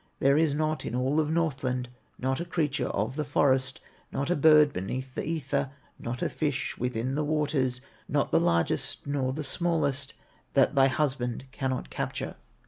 There is not in all of Northland, Not a creature of the forest, Not a bird beneath the ether, Not a fish within the waters, Not the largest, nor the smallest, That thy husband cannot capture.